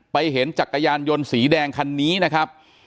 เห็นจักรยานยนต์สีแดงคันนี้นะครับ